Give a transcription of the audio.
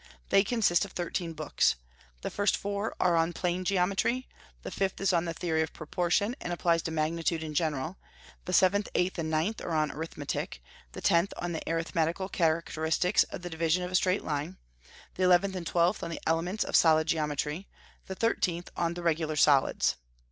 They consist of thirteen books. The first four are on plane geometry; the fifth is on the theory of proportion, and applies to magnitude in general; the seventh, eighth, and ninth are on arithmetic; the tenth on the arithmetical characteristics of the division of a straight line; the eleventh and twelfth on the elements of solid geometry; the thirteenth on the regular solids.